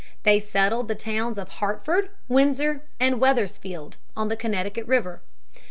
They settled the towns of Hartford, Windsor, and Weathersfield, on the Connecticut River.